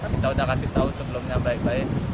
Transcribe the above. kita udah kasih tau sebelumnya baik baik